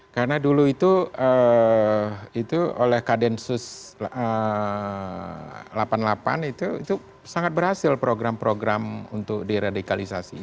karena dulu itu oleh gensis delapan puluh delapan itu sangat berhasil program program untuk diradikalisasi